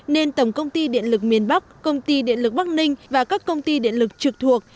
nên tổng công ty điện lực miền bắc công ty điện lực bắc ninh và các công ty điện lực trực thuộc